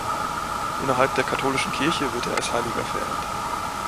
Innerhalb der katholischen Kirche wird er als Heiliger verehrt.